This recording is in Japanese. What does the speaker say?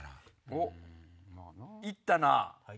おっいったな。